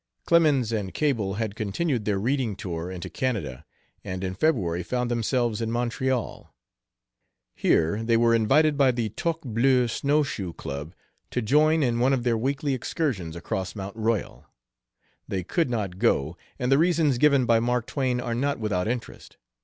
Clemens and Cable had continued their reading tour into Canada, and in February found themselves in Montreal. Here they were invited by the Toque Bleue Snow shoe Club to join in one of their weekly excursions across Mt. Royal. They could not go, and the reasons given by Mark Twain are not without interest.